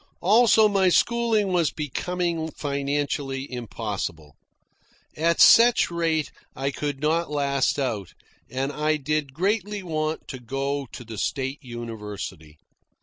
Also, my schooling was becoming financially impossible. At such rate I could not last out, and I did greatly want to go to the state university.